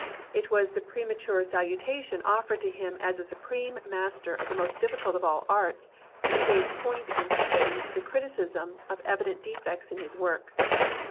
It was the premature salu tation offered to him as a supreme master of the most diflScult of all arts that gave point and sting to the criticism of evident defects in his work.